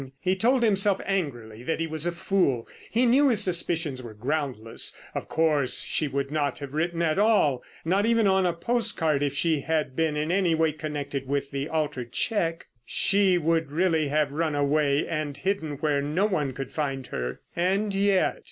He told himself angrily that he was a fool, he knew his suspicions were groundless. Of course, she would not have written at all, not even on a postcard, if she had been in any way connected with the altered cheque. She would really have run away and hidden where no one could find her. And yet....